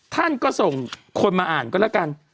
ท่านก็ส่งคนมาอ่านก็แล้วกัน